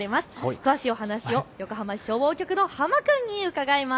詳しいお話を横浜市消防局のハマくんに伺います。